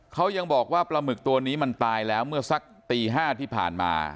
เขายังบอกว่าปลาหมึกตัวนี้มันตายแล้วเมื่อสักตี๕ที่ผ่านมา